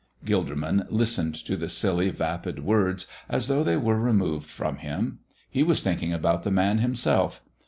Gilderman listened to the silly, vapid words as though they were removed from him. He was thinking about the Man himself.